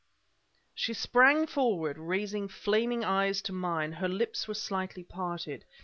She sprang forward, raising flaming eyes to mine; her lips were slightly parted.